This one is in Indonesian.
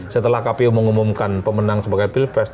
setelah kpu mengumumkan pemenang sebagai pilpres